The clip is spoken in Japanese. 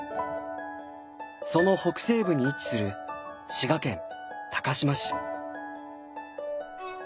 その北西部に位置する滋賀県高島市。